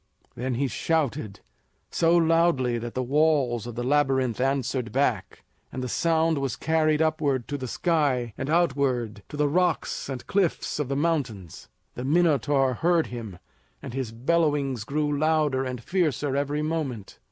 Then he shouted, so loudly that the walls of the Labyrinth answered back, and the sound was carried upward to the sky and outward to the rocks and cliffs of the mountains. The Minotaur heard him, and his bellowings grew louder and fiercer every moment.